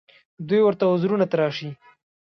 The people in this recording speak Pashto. دوی ورته عذرونه تراشي